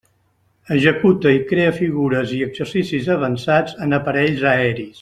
Executa i crea figures i exercicis avançats en aparells aeris.